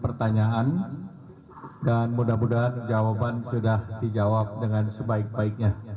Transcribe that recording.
pemeriksaan air langga diperiksa sebagai tersangka dalam kasus dugaan korupsi